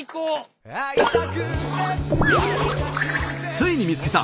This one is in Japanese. ついに見つけた！